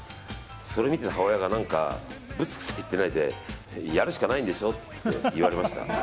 それを見て、母親がぶつくさ言ってないでやるしかないんでしょって言われました。